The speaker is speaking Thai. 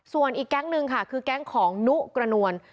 ส่วนอีกแก๊งหนึ่งค่ะคือแก๊งของนุกระนวล